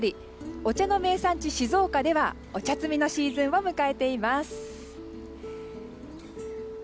お茶の名産地・静岡ではお茶摘みのシーズンを迎えています。